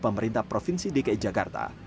pemerintah provinsi dki jakarta